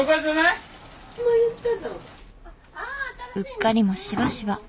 うっかりもしばしば。